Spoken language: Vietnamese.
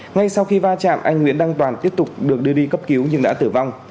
ngay sau khi va chạm anh nguyễn đăng toàn tiếp tục được đưa đi cấp cứu nhưng đã tử vong